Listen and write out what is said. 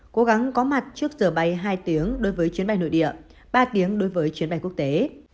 cố gắng có mặt trước giờ bay hai tiếng đối với chuyến bay nội địa ba tiếng đối với chuyến bay quốc tế